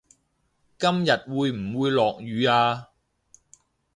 今日會唔會落雨呀